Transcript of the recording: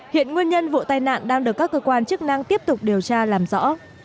hiện nguyên nhân vụ tai nạn đang được các cơ quan chức năng tiếp tục điều tra làm rõ